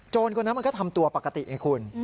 คนนั้นมันก็ทำตัวปกติไงคุณ